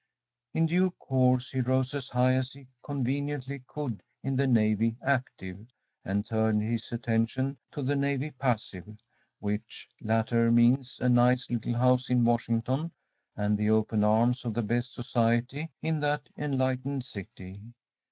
In due course he rose as high as he conveniently could in the Navy active, and turned his attention to the Navy passive, which latter means a nice little house in Washington, and the open arms of the best society in that enlightened city.